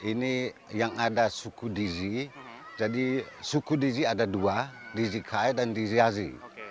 ini yang ada suku dizi jadi suku dizi ada dua dizi kai dan dizi azi